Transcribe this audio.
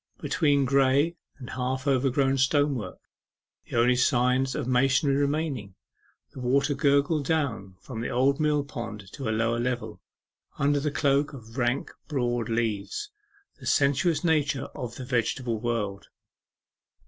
Between grey and half overgrown stonework the only signs of masonry remaining the water gurgled down from the old millpond to a lower level, under the cloak of rank broad leaves the sensuous natures of the vegetable world.